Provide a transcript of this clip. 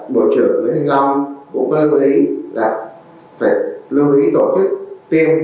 bộ trưởng nguyễn thịnh long cũng có lưu ý là phải lưu ý tổ chức tiêm